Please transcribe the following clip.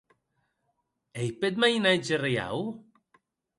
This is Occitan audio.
Ei peth mainatge reiau?